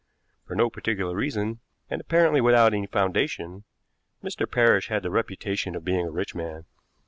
For no particular reason, and apparently without any foundation, Mr. Parrish had the reputation of being a rich man.